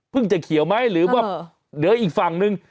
เพิ่งจะเขียวไหมหรือว่าเดี๋ยวอีกฝั่งนึง